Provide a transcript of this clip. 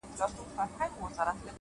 o ستا سترگو كي بيا مرۍ ـ مرۍ اوښـكي ـ